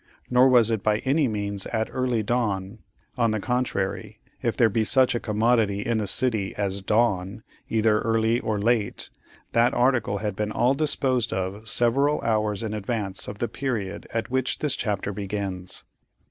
Nor was it by any means at "early dawn;" on the contrary, if there be such a commodity in a city as "dawn," either early or late, that article had been all disposed of several hours in advance of the period at which this chapter begins.